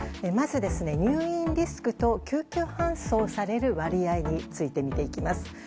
まず、入院リスクと救急搬送される割合について見ていきます。